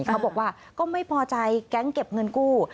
เขาบอกว่าก็ไม่พอใจแก๊งเก็บเงินกู้